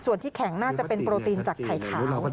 ส่วนที่แข็งน่าจะเป็นโปรตีนจากไข่ขาว